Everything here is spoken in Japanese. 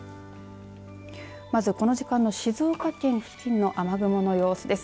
まずこの時間の静岡県付近の雨雲の様子です。